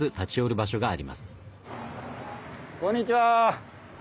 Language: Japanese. こんにちは。